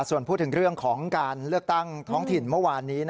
ส่วนพูดถึงเรื่องของการเลือกตั้งท้องถิ่นเมื่อวานนี้